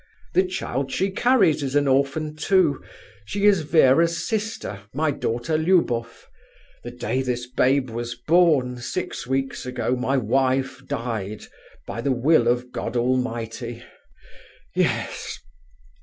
"The child she carries is an orphan, too. She is Vera's sister, my daughter Luboff. The day this babe was born, six weeks ago, my wife died, by the will of God Almighty.... Yes...